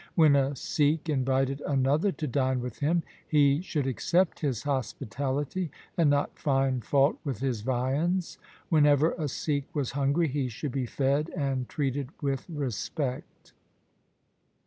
When a Sikh invited another to dine with him, he should accept his hospitality and not find fault with his viands. Whenever a Sikh was hungry, he should be fed and treated with respect.